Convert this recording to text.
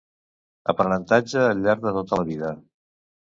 Aprenentatge al llarg de tota la vida